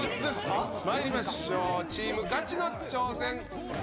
まいりましょうチームガチの挑戦。